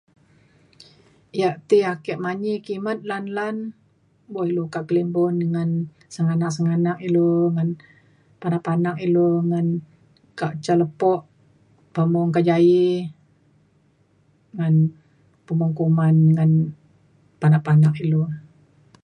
yak ti ake manyi kimet lan lan buk ilu kak kelimbun ngan senganak senganak ilu men panak panak ilu men kak ca lepo pemung kejaie ngan pemung kuman ngan panak panak ilu na